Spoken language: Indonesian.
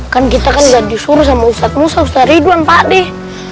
kan kita kan gak disuruh sama ustadz musa ustadz ridwan pak deh